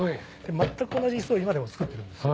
全く同じイスを今でも作ってるんですよ。